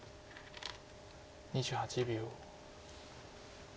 ２８秒。